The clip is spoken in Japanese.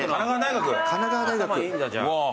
頭いいんだじゃあ。